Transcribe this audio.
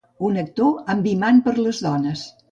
Un actor amb imant per a les dones.